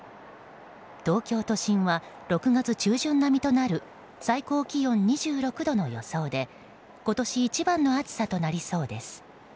東京都心は６月中旬ごろとなる最高気温２６度の予想で今年一番の暑さとなりそうです。